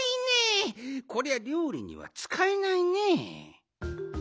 こりゃりょうりにはつかえないね。